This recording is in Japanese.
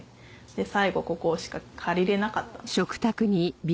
最後ここしか借りれなかったんです。